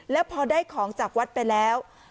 แล้วพอได้ของจากวัดไปแล้ว